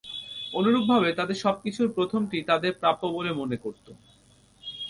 অনুরূপভাবে তাদের সবকিছুর প্রথমটি তাদের প্রাপ্য বলে মনে করত।